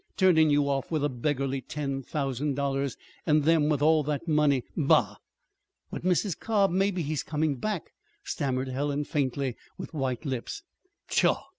Turnin' you off with a beggarly ten thousand dollars and them with all that money! Bah!" "But, Mrs. Cobb, maybe he's coming back," stammered Helen faintly, with white lips. "Pshaw!